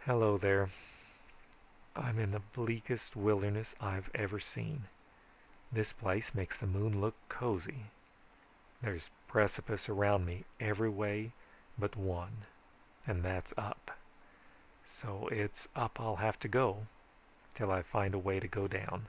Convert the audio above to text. "Hello there. I'm in the bleakest wilderness I've ever seen. This place makes the moon look cozy. There's precipice around me every way but one and that's up. So it's up I'll have to go till I find a way to go down.